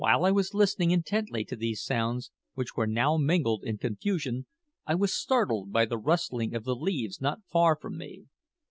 While I was listening intently to these sounds, which were now mingled in confusion, I was startled by the rustling of the leaves not far from me.